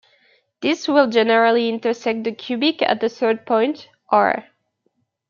This will generally intersect the cubic at a third point, "R".